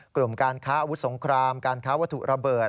กลุ่มการค้าอาวุธสงครามการค้าวัตถุระเบิด